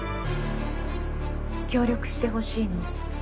協力してほしいの。